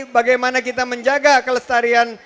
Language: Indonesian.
bagaimana kita menjaga kelestarian